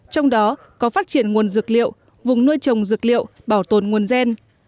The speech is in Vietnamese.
trong đó có phát triển nguồn dược liệu vùng nuôi trồng dược liệu bảo tồn nguồn gen